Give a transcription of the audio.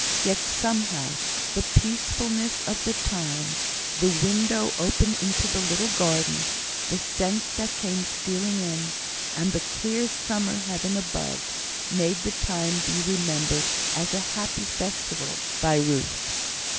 Yet, somehow, the peacefulness of the time, the window open into the little garden, the scents that came stealing in, and the clear summer heaven above, made the time be remembered as a happy festival by Ruth.